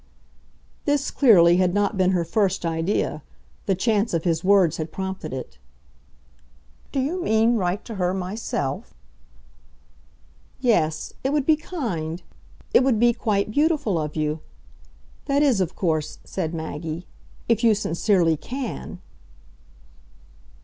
This, clearly, had not been her first idea the chance of his words had prompted it. "Do you mean write to her myself?" "Yes it would be kind. It would be quite beautiful of you. That is, of course," said Maggie, "if you sincerely CAN."